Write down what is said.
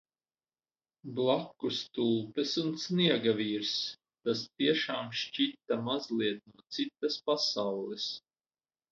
Blakus tulpes un sniegavīrs. Tas tiešām šķita mazliet no citas pasaules.